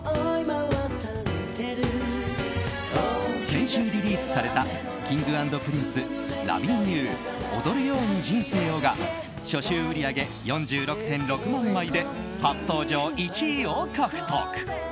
先週リリースされたＫｉｎｇ＆Ｐｒｉｎｃｅ「Ｌｏｖｉｎ’ｙｏｕ／踊るように人生を。」が初週売り上げ４６．６万枚で初登場１位を獲得。